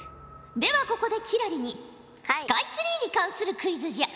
ではここで輝星にスカイツリーに関するクイズじゃ。